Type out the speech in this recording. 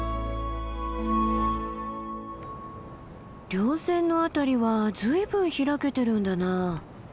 稜線の辺りは随分開けてるんだな。